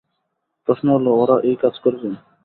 প্রশ্ন হলো, ওরা এই কাজ করবে?